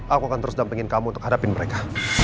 aku akan terus dampingin kamu untuk hadapin mereka